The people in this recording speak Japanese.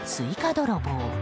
泥棒。